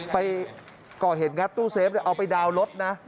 ไปก่อเหตุงัดตู้เซฟเอาไปดาวน์รถนะ